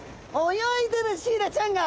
泳いでるシイラちゃんが。